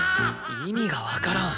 意味がわからん。